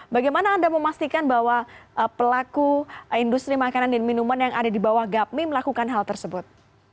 bagaimana anda memastikan bahwa pelaku industri makanan dan minuman yang ada di bawah gapmi melakukan hal tersebut